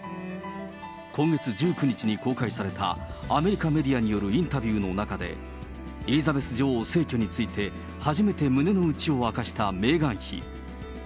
今月１９日に公開されたアメリカメディアによるインタビューの中で、エリザベス女王逝去について、初めて胸の内を明かしたメーガン妃。